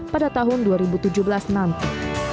pada tahun dua ribu tujuh belas nanti